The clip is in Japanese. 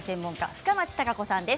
深町貴子さんです。